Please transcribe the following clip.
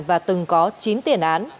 và từng có chín tên